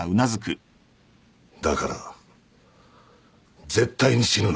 だから絶対に死ぬな。